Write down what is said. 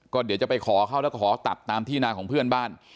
ก็เดี๋ยวจะไปขอเข้าแล้วก็ขอตัดตามที่นาของเพื่อนบ้าน